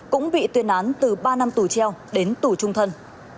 cũng bị tuyên án từ ba năm tù treo đến tù trung thân